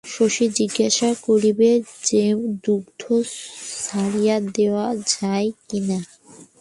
শশীকে জিজ্ঞাসা করিবে যে, দুগ্ধ ছাড়িয়া দেওয়া যায় কিনা।